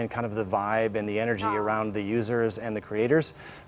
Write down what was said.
dan untuk memahami energi dan vibe dari pengguna dan creator